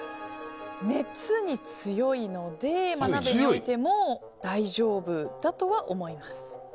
熱に強いので、お鍋に置いても大丈夫だとは思います。